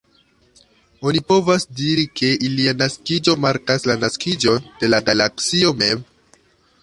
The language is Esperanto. Oni povas diri, ke ilia naskiĝo markas la naskiĝon de la Galaksio mem.